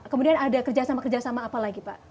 kemudian ada kerjasama kerjasama apa lagi pak